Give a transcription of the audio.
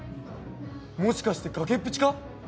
もしかして崖っぷちか？